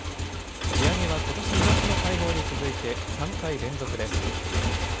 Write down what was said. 利上げはことし２月の会合に続いて３回連続です。